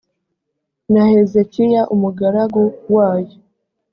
na hezekiya umugaragu wayo